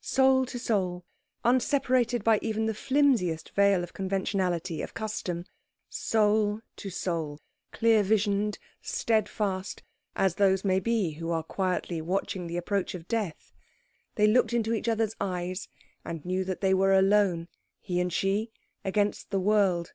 Soul to soul, unseparated by even the flimsiest veil of conventionality, of custom; soul to soul, clear visioned, steadfast, as those may be who are quietly watching the approach of death, they looked into each other's eyes and knew that they were alone, he and she, against the world.